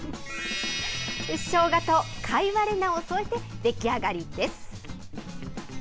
しょうがと貝割れ菜を添えて出来上がりです。